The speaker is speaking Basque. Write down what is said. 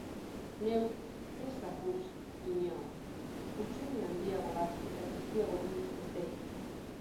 Neuk ez dakust inor, hutsune handiago bat eta txikiago bi besterik.